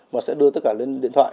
mà sẽ đưa tất cả lên điện thoại